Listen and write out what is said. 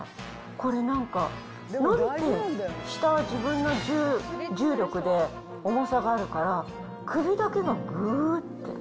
これ、下は自分の重力で重さがあるから、首だけがぐーって。